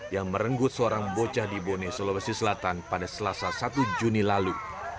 yang merenggut seorang bocah di bone sulawesi selatan pada selasa satu juni lalu